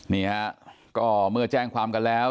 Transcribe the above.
นี่ฮะก็เมื่อแจ้งความกันแล้ว